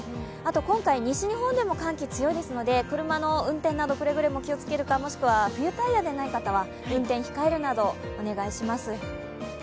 今回、西日本でも寒気が強いですので、車の運転などくれぐれも気をつけるか、冬タイヤでない方は運転控えるなど、お願いします。